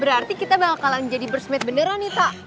berarti kita bakalan jadi bestmate beneran nih tak